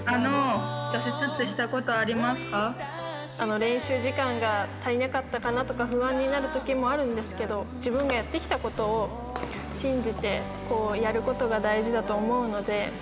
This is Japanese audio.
練習時間が足りなかったかなとか、不安になるときもあるんですけど、自分がやってきたことを信じてやることが大事だと思うので。